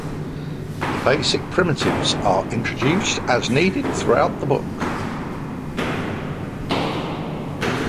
The basic primitives are introduced as needed throughout the book.